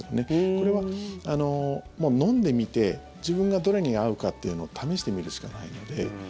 これは、飲んでみて自分がどれに合うかっていうのを試してみるしかないので。